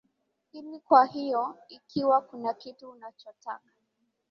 hili Kwa hiyo ikiwa kuna kitu unachotaka